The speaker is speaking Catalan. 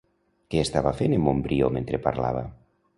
Què estava fent en Montbrió mentre parlava?